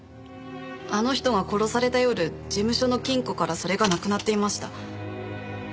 あの人が殺された夜事務所の金庫からそれがなくなっていました。